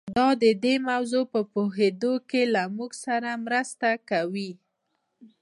دا د دې موضوع په پوهېدو کې له موږ سره مرسته کوي.